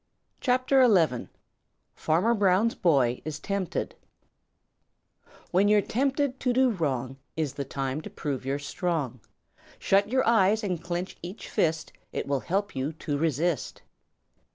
CHAPTER XI: Farmer Brown's Boy Is Tempted When you're tempted to do wrong Is the time to prove you're strong. Shut your eyes and clench each fist; It will help you to resist.